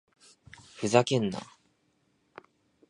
ふざけんな！